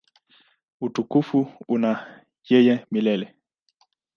Utukufu una yeye milele.